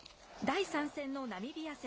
第３戦のナミビア戦。